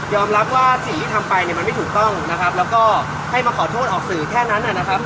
รับว่าสิ่งที่ทำไปเนี่ยมันไม่ถูกต้องนะครับแล้วก็ให้มาขอโทษออกสื่อแค่นั้นนะครับ